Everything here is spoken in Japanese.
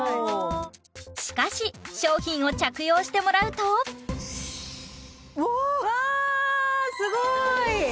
しかし商品を着用してもらうとわあ！わすごい！